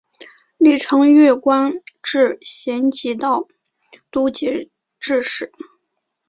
李澄玉官至咸吉道都节制使。